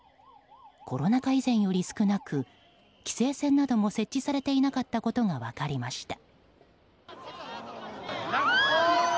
コロナ禍以前より少なく規制線なども設置されていなかったことが分かりました。